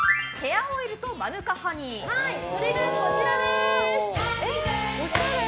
それがこちらです！